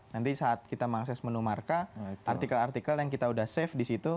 nanti saat kita mengakses menu markah artikel artikel yang kita udah save di situ